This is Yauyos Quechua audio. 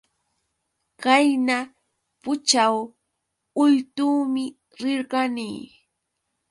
Qayna pućhaw ultuumi rirqani.